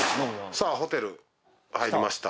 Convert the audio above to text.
さあホテル入りました。